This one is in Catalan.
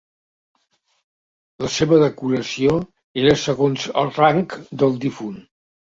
La seva decoració era segons el rang del difunt.